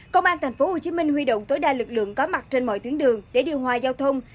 công an tp hcm huy động tối đa lực lượng có mặt trên mọi tuyến đường để điều hòa giao thông